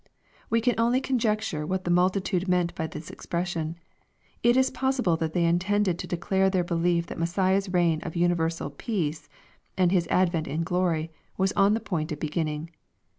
] We can only conjecture what the multitude meant by this expression. It is possible that they intended to de clare their belief that Messiah's reign of universal " peace" and His advent in " glory," was on the point of beginning.